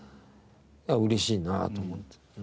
嬉しいなと思って。